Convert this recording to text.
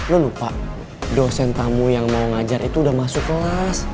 lo lupa dosen tamu yang mau ngajar itu udah masuk kelas